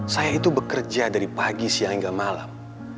saya itu bekerja dari pagi siang hingga malam